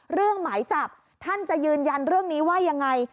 หมายจับท่านจะยืนยันเรื่องนี้ว่ายังไง